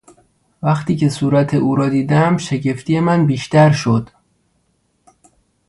وقتی که صورت او را دیدم شگفتی من بیشتر شد.